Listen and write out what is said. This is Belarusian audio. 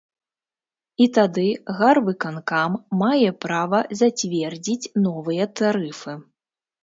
І тады гарвыканкам мае права зацвердзіць новыя тарыфы.